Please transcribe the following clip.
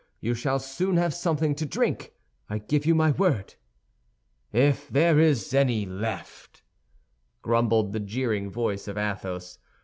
You shall soon have something to drink; I give you my word." "If there is any left," grumbled the jeering voice of Athos.